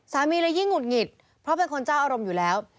สามีเลยยิ่งหุดหงิดเพราะเป็นคนเจ้าอารมณ์อยู่แล้ว